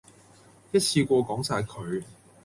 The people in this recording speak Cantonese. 一次過講曬佢